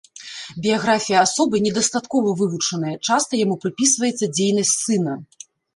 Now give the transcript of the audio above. Біяграфія асобы недастаткова вывучаная, часта яму прыпісваецца дзейнасць сына.